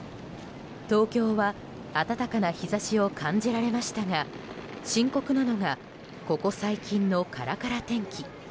東京は暖かな日差しを感じられましたが深刻なのが、ここ最近のカラカラ天気。